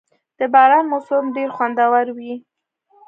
• د باران موسم ډېر خوندور وي.